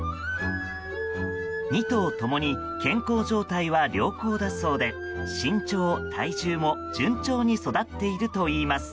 ２頭共に健康状態は良好だそうで身長、体重も順調に育っているといいます。